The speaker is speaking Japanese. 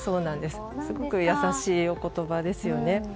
すごく優しいお言葉ですよね。